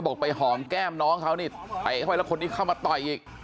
อันนี้บอกไปหอมแก้มน้องเขานี่ไหวแล้วคนนี้เข้ามาต่อยอีก